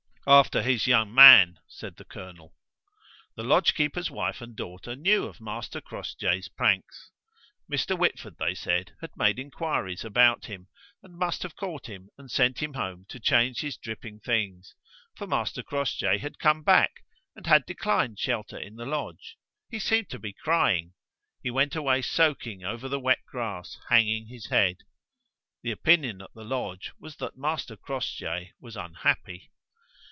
"After his young man!" said the colonel. The lodge keeper's wife and daughter knew of Master Crossjay's pranks; Mr. Whitford, they said, had made inquiries about him and must have caught him and sent him home to change his dripping things; for Master Crossjay had come back, and had declined shelter in the lodge; he seemed to be crying; he went away soaking over the wet grass, hanging his head. The opinion at the lodge was that Master Crossjay was unhappy.